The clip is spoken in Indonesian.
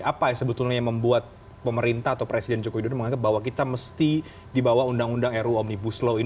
apa yang sebetulnya membuat pemerintah atau presiden joko widodo menganggap bahwa kita mesti di bawah undang undang ru omnibus law ini